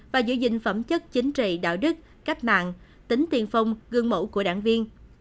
và giữ gìn phẩm chất chính trị đạo đức cách mạng tính tiền phong gương mẫu của đảng viên